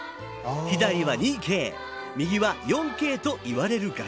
左は２Ｋ右は４Ｋといわれる画質。